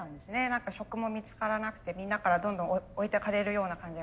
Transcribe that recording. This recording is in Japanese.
何か職も見つからなくてみんなからどんどん置いてかれるような感じがして。